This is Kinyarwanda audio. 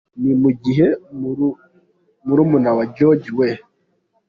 Ni mu gihe murumuna wa George W.